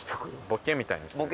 ボケみたいにする？